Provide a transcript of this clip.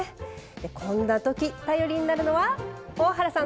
こんなとき、頼りになるのは大原さん。